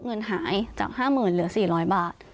เงินหายจาก๕๐๐๐เหลือ๔๐๐บาท